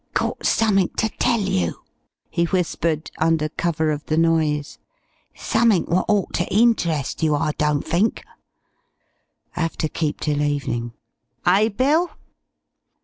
"Got summink ter tell you," he whispered under cover of the noise. "Summink wot ought ter interest yer, I don't fink. 'Ave ter keep till evenin'. Eh, Bill?"